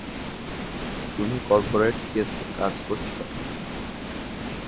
তুমি কর্পোরেট কেসে কাজ করছো?